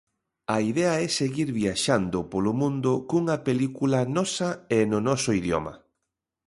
A idea é seguir viaxando polo mundo cunha película nosa e no noso idioma.